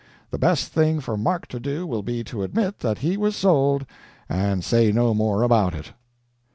_ The best thing for Mark to do will be to admit that he was sold, and say no more about it.